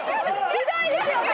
ひどいですよね